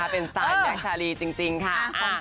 เป็นสตาร์ทใหญ่ชาลีจริงค่ะ